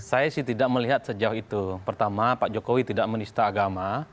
saya sih tidak melihat sejauh itu pertama pak jokowi tidak menista agama